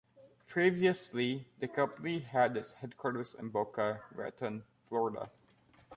Previously the company had its headquarters in Boca Raton, Florida.